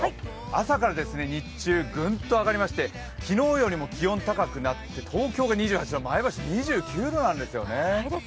朝から日中グンと上がりまして、昨日よりも気温、高くなって東京が２８度、前橋は２９度なんですよね。